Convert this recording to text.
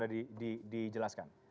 apa maksud anda dijelaskan